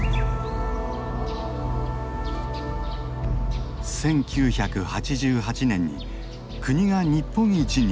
１９８８年に国が日本一に認定した巨樹だ。